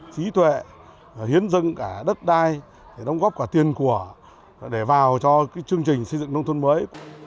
trí tuệ hiến dân cả đất đai để đóng góp cả tiền của để vào cho chương trình xây dựng nông thôn mới